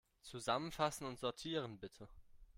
Zusammenfassen und sortieren, bitte.